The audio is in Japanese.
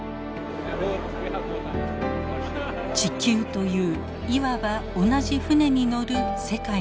地球といういわば同じ船に乗る世界の国々。